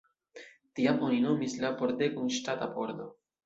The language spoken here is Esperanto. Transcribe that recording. Tiam oni nomis la pordegon Ŝtata Pordo.